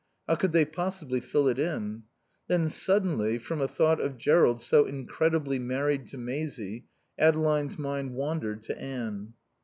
How could they possibly fill it in? Then, suddenly, from a thought of Jerrold so incredibly married to Maisie, Adeline's mind wandered to Anne.